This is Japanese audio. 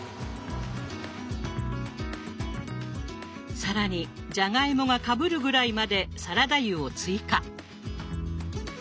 更にじゃがいもがかぶるぐらいまでサラダ油を追加。